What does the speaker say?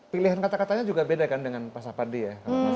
pilihan kata katanya juga beda kan dengan pasapadi ya